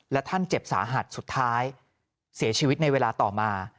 และท่านเจ็บสาหัสสุดท้ายเสียชีวิตในเวลาต่อมา